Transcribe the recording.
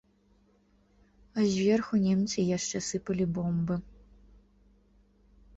А зверху немцы яшчэ сыпалі бомбы.